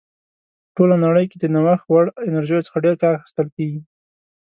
په ټوله نړۍ کې د نوښت وړ انرژیو څخه ډېر کار اخیستل کیږي.